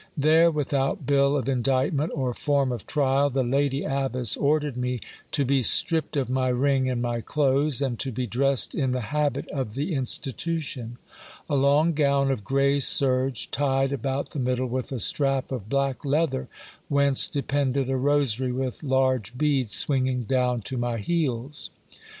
There, without bill of indictment or form of trial, the lady abbess ordered me to be stripped of my ring and my clothes, and to be dressed in the habit of the institution ; a long gown of grey serge tied about the middle with a strap of black leather, whence depended a rosary with large beads swinging down to my heels.